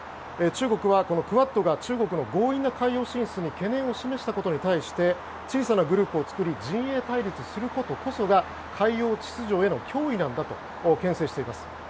中国はクアッドが中国の強引な海洋進出に懸念を示したことに対して小さなグループを作り陣営対立することこそが海洋秩序への脅威なんだと牽制しています。